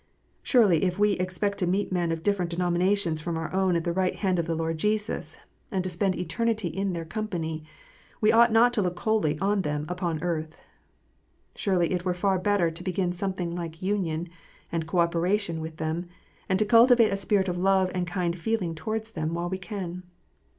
Surely if we expect to meet men of different denominations from our own at the right hand of the Lord Jesus, and to spend eternity in their company, we ought not to look coldly on them upon earth. Surely it were far better to begin something like union and co operation with them, and to cultivate a spirit of love and kind feeling towards them while we can.